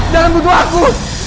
jangan butuh aku